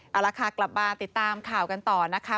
เอาละค่ะกลับมาติดตามข่าวกันต่อนะคะ